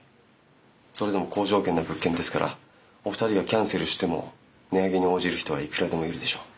それでも好条件の物件ですからお二人がキャンセルしても値上げに応じる人はいくらでもいるでしょう。